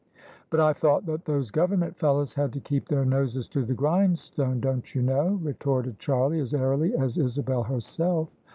"But I thought that those Gk)vemment fellows had to keep their noses to the grindstone, don't you know?" re torted Charlie as airily as Isabel herself.